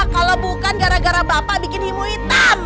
kalau bukan gara gara bapak bikin ibu hitam